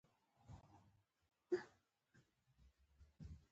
په یوه لاس مې تخته ونیول، پښې مې پرې.